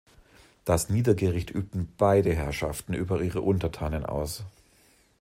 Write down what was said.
Das Niedergericht übten beide Herrschaften über ihre Untertanen aus.